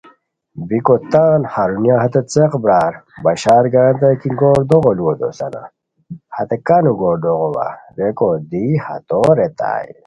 بیکو تان ہرونیہ ہتے څیق برار بشار گانیتائے، کی گوردوغو لوؤ دوسان ہتے کانو گوردوغو وا؟ ریکو دی ہتو ریتائے